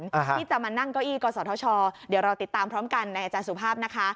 ที่จะมานั่งเก้าอี้กศธชเดี๋ยวเราติดตามพร้อมกันในอาจารย์สุภาพนะคะ